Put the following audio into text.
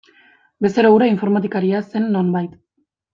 Bezero hura informatikaria zen nonbait.